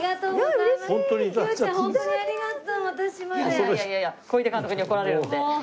いやいやいや小出監督に怒られるんで。